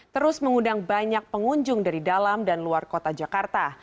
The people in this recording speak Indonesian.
terus mengundang banyak pengunjung dari dalam dan luar kota jakarta